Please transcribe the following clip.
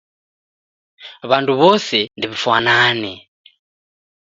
W'andu wose ndew'ifwanane.